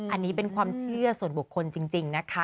อันนี้เป็นความเชื่อส่วนบุคคลจริงนะคะ